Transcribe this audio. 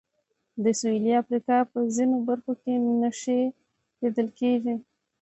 د سوېلي افریقا په ځینو برخو کې نښې لیدل کېږي.